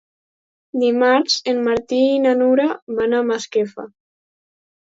Dimarts en Martí i na Nura van a Masquefa.